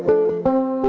lalu dia nyaman